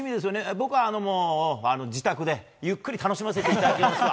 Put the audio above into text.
僕は自宅でゆっくり楽しませていただきますわ。